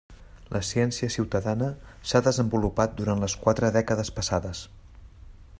La ciència ciutadana s'ha desenvolupat durant les quatre dècades passades.